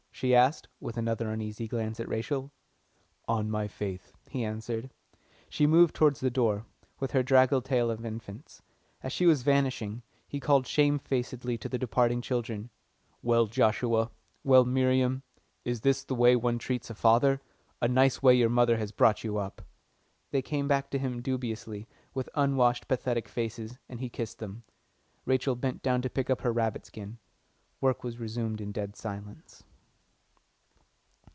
she asked, with another uneasy glance at Rachel. "On my faith," he answered. She moved towards the door, with her draggle tail of infants. As she was vanishing, he called shame facedly to the departing children, "Well, Joshua! Well, Miriam! Is this the way one treats a father? A nice way your mother has brought you up!" They came back to him dubiously, with unwashed, pathetic faces, and he kissed them. Rachel bent down to pick up her rabbit skin. Work was resumed in dead silence.